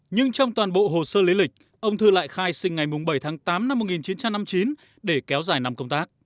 nhưng trong toàn bộ hồ sơ lý lịch ông thư lại khai sinh ngày bảy tháng tám năm một nghìn chín trăm năm mươi chín để kéo dài năm công tác